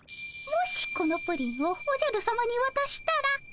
もしこのプリンをおじゃるさまにわたしたら。